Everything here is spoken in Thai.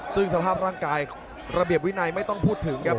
ซึ่งสภาพร่างกายระเบียบวินัยไม่ต้องพูดถึงครับ